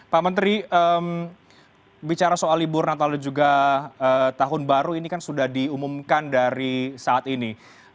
pak menteri bicara soal libur natal dan juga tahun baru ini kan sudah diumumkan dari saat ini